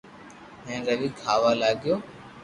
ھين روي کاھ وا لاگيو